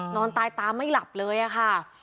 นอนตายตามไม่หลับเลยอะค่ะ